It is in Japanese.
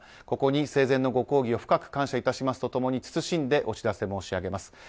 ここに生前のご厚意を深く感謝致しますと共に謹んでお知らせ申し上げます。